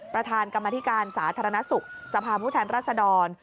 ประธานกรรมธิการสาธารณสุขสภาพผู้แทนรัศดร